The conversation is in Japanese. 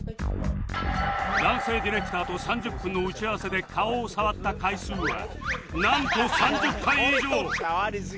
男性ディレクターと３０分の打ち合わせで顔を触った回数はなんと３０回以上！